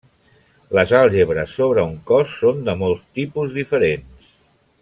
Les àlgebres sobre un cos són de molts tipus diferents.